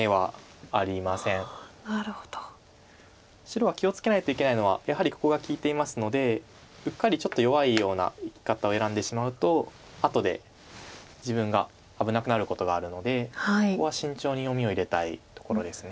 白は気を付けないといけないのはやはりここが利いていますのでうっかりちょっと弱いような生き方を選んでしまうと後で自分が危なくなることがあるのでここは慎重に読みを入れたいところです。